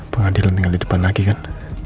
pengadilan tinggal di depan lagi kan